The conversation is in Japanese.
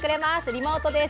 リモートです。